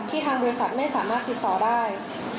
ทางบริษัทไม่สามารถติดต่อได้